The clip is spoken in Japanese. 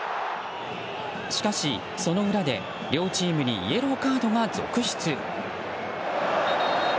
しかし、その裏で両チームにイエローカードが続出。